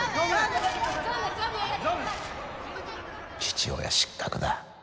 父親失格だ。